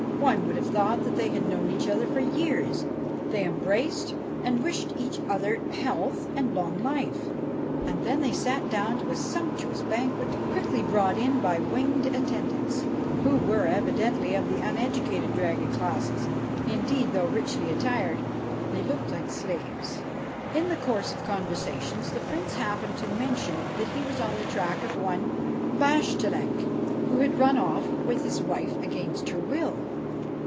One would have thought that they had known each other for years. They embraced and wished each other health and long life ; and then they sat down to a sumptuous banquet quickly brought in by winged attendants, who were evidently of the un educated dragon classes ; indeed, though richly attired, they looked like slaves. 109 BASHTCHELIK In the course of conversation the Prince happened to mention that he was on the track of one Bashtchelik, who had run off with his wife against her will.